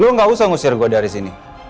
gue gak usah ngusir gue dari sini